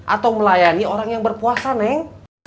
atau melayani orang yang berpuasa neng